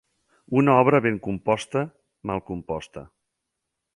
Una obra ben composta, mal composta.